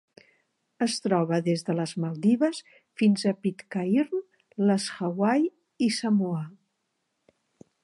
Es troba des de les Maldives fins a Pitcairn, les Hawaii i Samoa.